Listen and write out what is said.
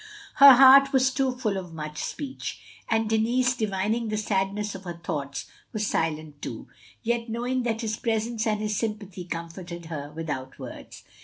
Her heart was too full for much speech; and Denis, divining the sadness of her thoughts, was silent too; yet knowing that his presence and his sympathy comforted her without words.